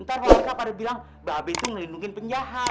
ntar warga pada bilang babi itu melindungi penjahat